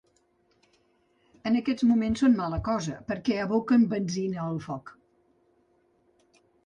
En aquests moments són mala cosa, perquè aboquen benzina al foc.